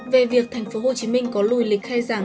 về việc tp hcm có lùi lịch hay giảng